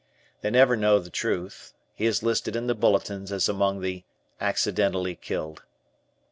They never know the truth. He is listed in the bulletins as among the "accidentally killed."